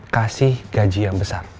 kasih gaji yang besar